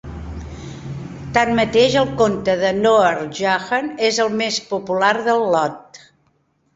Tanmateix, el conte de Noor Jahan és el més popular del lot.